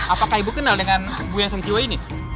apakah ibu kenal dengan bu yang sakit jiwa ini